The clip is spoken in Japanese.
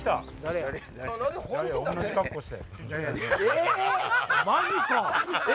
え⁉マジか！